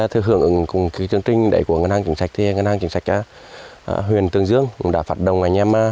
hưởng ứng chương trình của ngân hàng chính sách ngân hàng chính sách huyện tường dương đã phát động